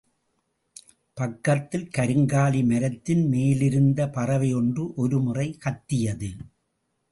பக்கத்தில் கருங்காலி மரத்தின் மேலிருந்த பறவையொன்று ஒருமுறை கத்தியது.